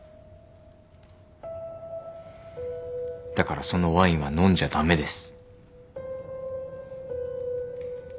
だからそのワインは飲んじゃ駄目です。